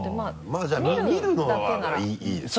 まぁじゃあ見るのはいいです。